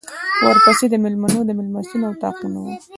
ورپسې د مېلمنو د مېلمستون اطاقونه و.